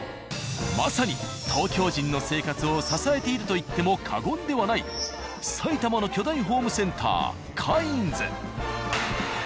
まさに東京人の生活を支えていると言っても過言ではない埼玉の巨大ホームセンター「カインズ」。